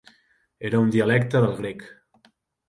Era un dialecte del grec.